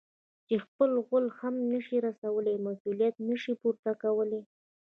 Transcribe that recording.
چې خپل غول هم نه شي رسولاى؛ مسؤلیت نه شي پورته کولای.